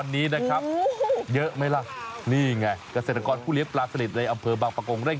น้ำคงขึ้นขึ้นลง